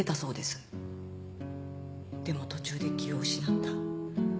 でも途中で気を失った。